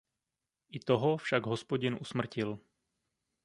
I toho však Hospodin usmrtil.